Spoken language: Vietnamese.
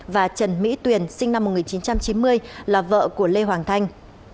và trần mỹ tuyền sinh năm một nghìn chín trăm chín mươi là vợ của lê hoàng thanh